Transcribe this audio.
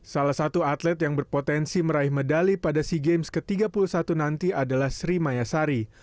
salah satu atlet yang berpotensi meraih medali pada sea games ke tiga puluh satu nanti adalah sri mayasari